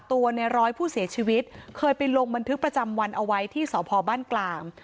ในร้อยผู้เสียชีวิตเคยไปลงบันทึกประจำวันเอาไว้ที่สพบ้านกลาง